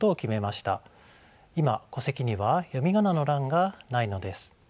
今戸籍には読み仮名の欄がないのです。